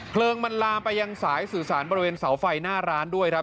ลิงมันลามไปยังสายสื่อสารบริเวณเสาไฟหน้าร้านด้วยครับ